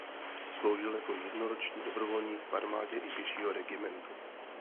Sloužil jako jednoroční dobrovolník v armádě i pěšího regimentu.